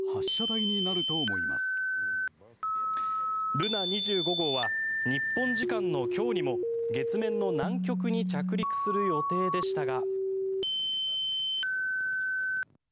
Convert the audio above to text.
ルナ２５号は日本時間の今日にも月面の南極に着陸する予定でしたが。